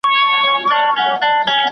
ستا خو د خپل ښایست قلنګ پکار و.